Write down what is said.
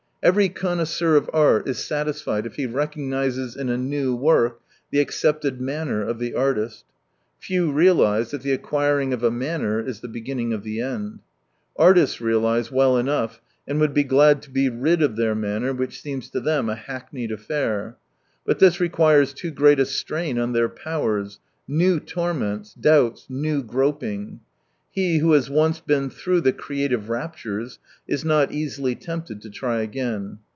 Every connoisseur of art is satisfied if he recognises in a new work the accepted " manner " of the artist. Few realise that the acquiring of a manner is the beginning of the end. Artists realise well enough, and would be glad to be rid of their manner, which seems to them a hackneyed affair. But this requires too great a strain on their powers, new torments, doubts, new groping. He who has once been through the creative raptures is not easily tempted to try again.